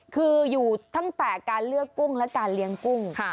คืออยู่ตั้งแต่การเลือกกุ้งและการเลี้ยงกุ้ง